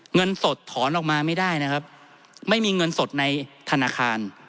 เงินสดถอนออกมาไม่ได้นะครับไม่มีเงินสดในธนาคาร